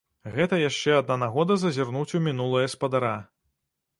Гэта яшчэ адна нагода зазірнуць у мінулае спадара.